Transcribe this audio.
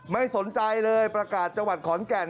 ไม่สนใจเลยประกาศจังหวัดขอนแก่น